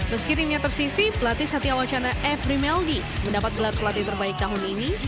meski timnya tersisih pelatih satya wacana evri meldi mendapat gelar pelatih terbaik tahun ini